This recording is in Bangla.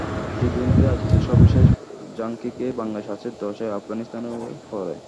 টি টোয়েন্টিতে আইসিসির সর্বশেষ র্যাঙ্কিংয়ে বাংলাদেশ আছে দশে, আফগানিস্তানেরও পরে।